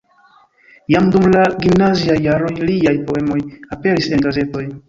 Jam dum la gimnaziaj jaroj liaj poemoj aperis en gazetoj.